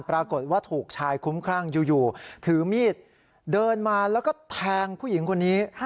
ปรากฏว่าถูกชายคุ้มครั่งอยู่ถือมีดเดินมาแล้วก็แทงผู้หญิงคนนี้